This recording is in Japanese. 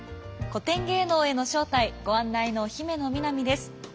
「古典芸能への招待」ご案内の姫野美南です。